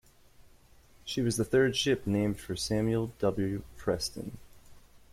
She was the third ship named for Samuel W. Preston.